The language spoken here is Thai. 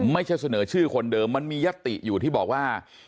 ไม่ใช่เสนอชื่อคนเดิมมันมียติอยู่ที่บอกว่า